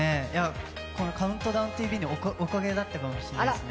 「ＣＤＴＶ」のおかげだったかもしれないですね。